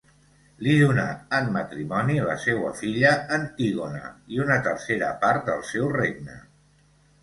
Li donà en matrimoni la seua filla Antígona i una tercera part del seu regne.